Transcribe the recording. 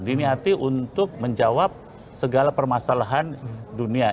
diniati untuk menjawab segala permasalahan dunia